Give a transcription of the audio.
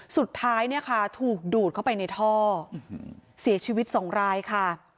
สุดท้ายเนี่ยค่ะถูกดูดเข้าไปในท่อเสียชีวิตสองรายค่ะ